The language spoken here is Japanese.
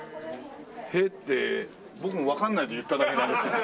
「へえ」って僕もわかんないで言っただけ。